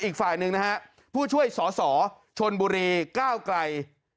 อีกฝ่ายนึงนะฮะผู้ช่วยสชนบุรีค่าวไก่